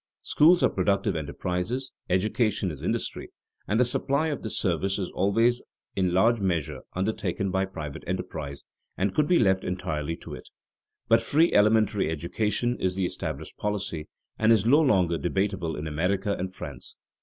Schools are productive enterprises, education is industry, and the supply of this service is always in large measure undertaken by private enterprise and could be left entirely to it. But free elementary education is the established policy, and is no longer debatable in America and France.